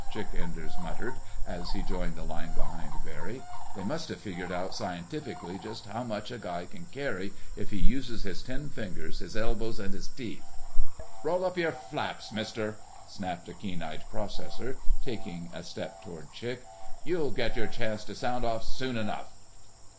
Chick Enders muttered as he joined the line behind Barry. "They must have figured out scientifically just how much a guy can carry if he uses his ten fingers, his elbows and his teeth...." "Roll up your flaps, Mister!" snapped a keen eared processor, taking a step toward Chick. "You'll get your chance to sound off soon enough!"